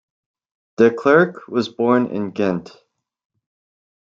De Clercq was born in Ghent.